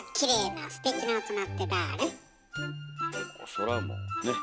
そらもうね？